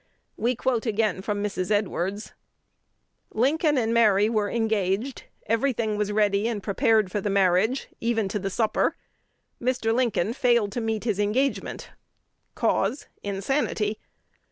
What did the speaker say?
We quote again from Mrs. Edwards: "Lincoln and Mary were engaged; every thing was ready and prepared for the marriage, even to the supper. Mr. Lincoln failed to meet his engagement. Cause, insanity!